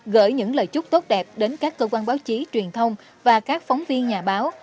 gửi những lời chúc tốt đẹp đến các cơ quan báo chí truyền thông và các phóng viên nhà báo